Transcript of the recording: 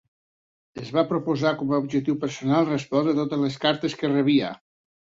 Es va proposar com a objectiu personal respondre totes les cartes que rebia.